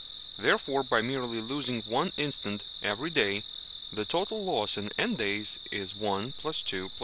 Wherefore by merely losing one instant every day the total loss in n days is (1 + 2 + 3 +...